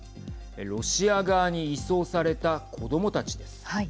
ロシア側に移送された子どもたちです。